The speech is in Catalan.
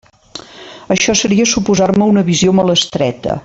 Això seria suposar-me una visió molt estreta.